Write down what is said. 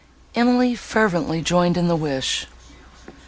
Emily fervently joined in the wish.